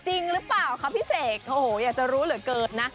จริงหรือเปล่าคะพี่เสกโอ้โหอยากจะรู้เหลือเกินนะ